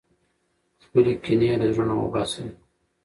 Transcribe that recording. خپلې کینې له زړونو وباسئ.